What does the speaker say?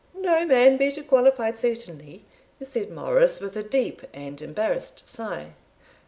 "No man better qualified, certainly," said Morris, with a deep and embarrassed sigh.